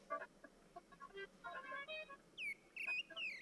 Magonjwa yanayopelekea ngombe kutupa mimba